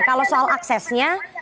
kalau soal aksesnya